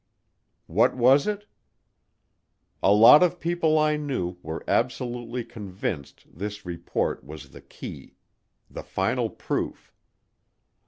What was it? A lot of people I knew were absolutely convinced this report was the key the final proof.